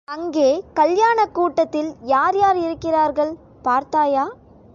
அங்கே கல்யாணக் கூடத்தில் யார் யார் இருக்கிறார்கள், பார்த்தாயா?